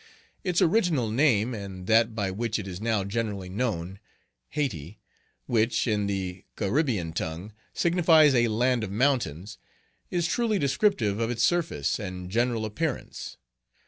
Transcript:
Its original name, and that by which it is now generally known, Hayti, which, in the Caribbean tongue, signifies a land of mountains, is truly descriptive of its surface and general appearance.